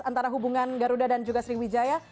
antara hubungan garuda dan juga sriwijaya